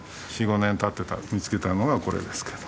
４５年経って見つけたのがこれですけど。